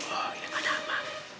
oh ini pada apa